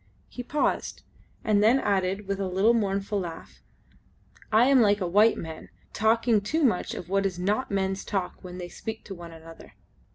He paused, and then added with a little mournful laugh, "I am like a white man talking too much of what is not men's talk when they speak to one another."